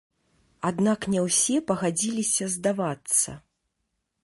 Аднак не ўсе пагадзіліся здавацца.